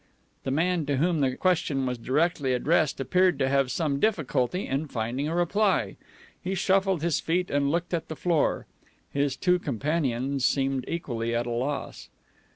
The man to whom the question was directly addressed appeared to have some difficulty in finding a reply. He shuffled his feet, and looked at the floor. His two companions seemed equally at a loss.